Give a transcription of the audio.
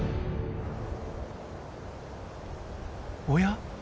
おや？